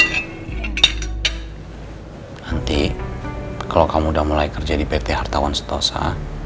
nanti kalau kamu udah mulai kerja di pt hartawan setosa